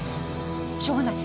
しょうがない。